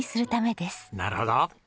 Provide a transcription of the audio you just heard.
なるほど。